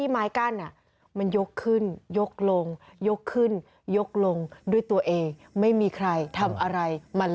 เห็นไม่